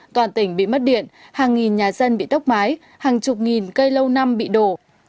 toàn tỉnh bị mất điện hàng nghìn nhà dân bị tốc mái hàng chục nghìn cây lâu năm bị đổ